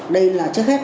đây là trước hết